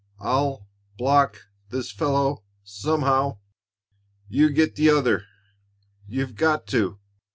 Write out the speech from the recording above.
"I'll block this fellow somehow. You get the other you've got to!"